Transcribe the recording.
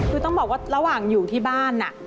คือต้องบอกว่าระหว่างอยู่ที่บ้าน